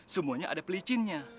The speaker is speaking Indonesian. semuanya ada pelicinnya